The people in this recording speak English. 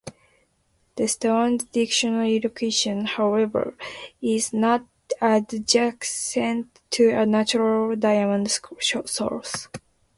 The stone's discovery location, however, is not adjacent to a natural diamond source.